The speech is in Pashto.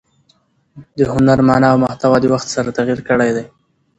د هنر مانا او محتوا د وخت سره تغیر کړی دئ.